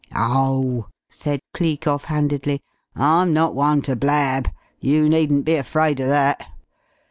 "Oh," said Cleek off handedly, "I'm not one to blab. You needn't be afraid o' that.